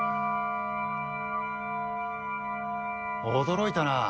驚いたな。